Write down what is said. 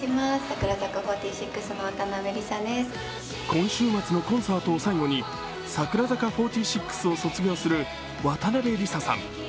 今週末のコンサートを最後に櫻坂４６を卒業する渡邉理佐さん。